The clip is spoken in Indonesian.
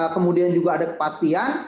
kemudian juga ada kepastian